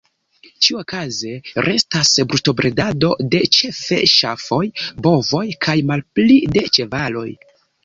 Ĉiukaze restas brutobredado de ĉefe ŝafoj, bovoj, kaj malpli de ĉevaloj.